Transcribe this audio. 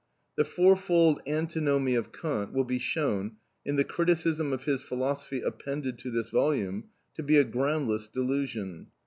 The fourfold antinomy of Kant will be shown, in the criticism of his philosophy appended to this volume, to be a groundless delusion.